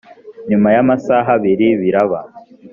nyuma y’amasaha abiri biraba